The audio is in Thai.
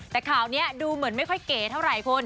แต่ข่าวนี้ดูเหมือนไม่ค่อยเก๋เท่าไหร่คุณ